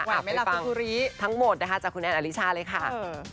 กลับไปฟังทั้งหมดนะคะจากคุณแอนอลิชาเลยค่ะ